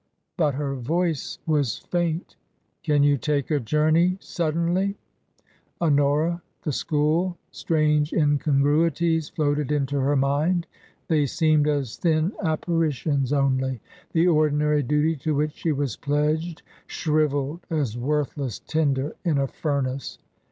But her voice was faint 14 TRANSITION. 273 " Can you take a journey suddenly ?" Honora, the school — ^strange incongruities! — floated into her mind. They seemed as thin apparitions only. The ordinary duty to which she was pledged shrivelled as worthless tinder in a furnace.